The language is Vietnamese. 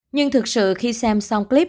nhưng thực sự khi xem xong clip